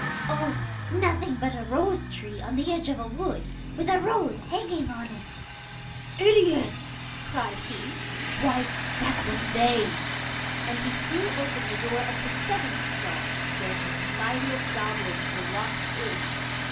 'Oh, nothing but a rose tree on the edge of a wood, with a rose hanging on it.' 'Idiots!' cried he. 'Why, that was they.' And he threw open the door of the seventh stall, where his mightiest goblins were locked in.